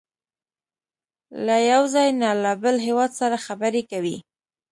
له یو ځای نه له بل هېواد سره خبرې کوي.